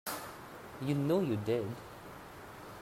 You know you did.